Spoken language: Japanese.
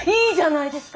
いいですか？